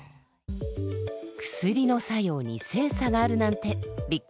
薬の作用に性差があるなんてびっくりですよね。